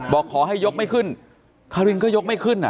บอกขอให้ยกไม่ขึ้นคารินก็ยกไม่ขึ้นอ่ะ